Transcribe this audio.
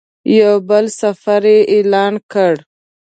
یو بل سفر یې اعلان کړ.